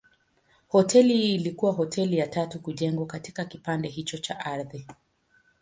Hoteli hii ilikuwa hoteli ya tatu kujengwa katika kipande hicho cha ardhi.